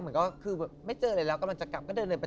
เหมือนก็คือไม่เจออะไรแล้วกำลังจะกลับก็เดินไป